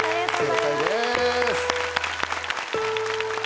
正解です。